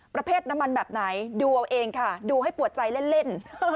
ประเภทน้ำมันแบบไหนดูเอาเองค่ะดูให้ปวดใจเล่น